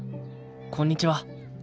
こんにちは。